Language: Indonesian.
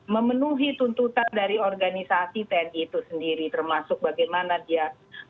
memenuhi tuntutan dari organisasi tni itu sendiri termasuk bagaimana dia